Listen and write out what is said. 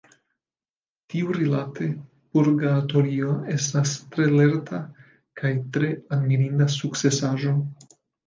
Tiurilate, Purgatorio estas tre lerta kaj tre admirinda sukcesaĵo.